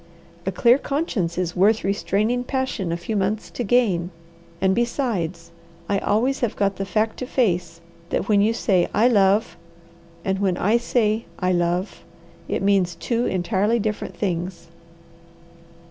A clear conscience is worth restraining passion a few months to gain, and besides, I always have got the fact to face that when you say 'I love,' and when I say 'I love,' it means two entirely different things.